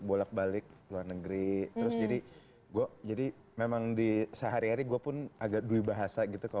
bolak balik luar negeri terus jadi gue jadi memang di sehari hari gue pun agak duit bahasa gitu kalau